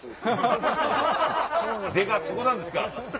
出がそこなんですか。